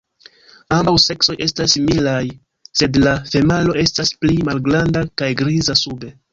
Ambaŭ seksoj estas similaj, sed la femalo estas pli malgranda kaj griza sube.